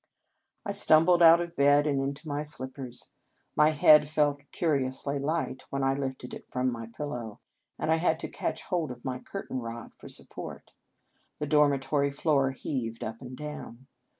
I stumbled out of bed, and into my slippers. My head felt curiously light when I lifted it from my pillow, and I had to catch hold of my curtain rod for support. The dormitory floor heaved up and down.